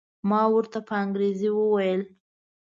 ما ورته په انګریزي وویل.